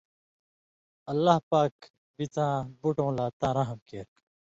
اللہ پاک بِڅاں بُٹؤں لا تاں رحم کیر